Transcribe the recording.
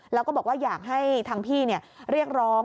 แล้วก็บอกว่าอยากให้ทางพี่เรียกร้อง